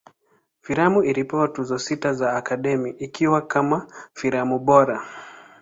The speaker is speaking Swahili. Filamu ilipewa Tuzo sita za Academy, ikiwa kama filamu bora.